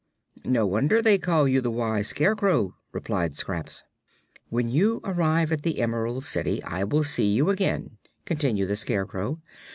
"No wonder they call you the Wise Scarecrow," replied Scraps. "When you arrive at the Emerald City I will see you again," continued the Scarecrow.